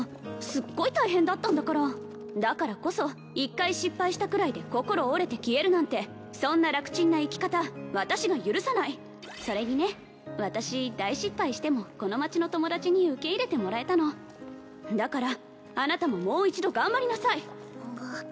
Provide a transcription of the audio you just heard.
すっごい大変だったんだからだからこそ一回失敗したくらいで心折れて消えるなんてそんな楽ちんな生き方私が許さないそれにね私大失敗してもこの町の友達に受け入れてもらえたのだからあなたももう一度頑張りなさいんがっ